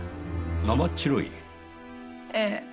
なまっちろい？ええ。